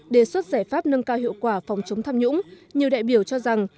đề xuất giải pháp nâng cao hiệu quả phòng chống tham nhũng nhiều đại biểu cho rằng